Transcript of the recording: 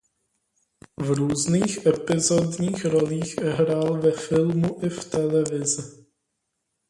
V různých epizodních rolích hrál ve filmu i v televizi.